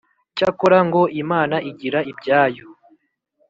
Cyakora ngo Imana igira ibyayo